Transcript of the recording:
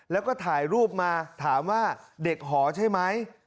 แล้วก็ถ่ายรูปมาถามว่าเด็กหอใช่ไหม